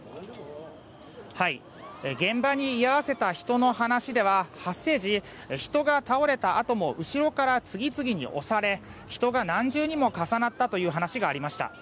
現場に居合わせた人の話では発生時、人が倒れたあとも後ろから次々に押され人が何重にも重なったという話がありました。